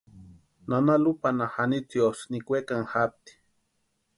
Nana Lupanha Janitziosï nikwekani japti.